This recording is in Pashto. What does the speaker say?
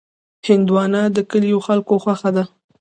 هندوانه د کلیو خلکو خوښه ده.